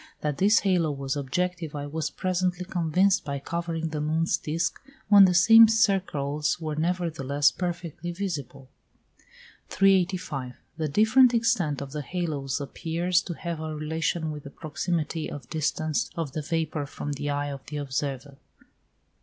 That this halo was objective I was presently convinced by covering the moon's disk, when the same circles were nevertheless perfectly visible. 385. The different extent of the halos appears to have a relation with the proximity or distance of the vapour from the eye of the observer.